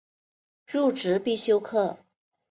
入职必修课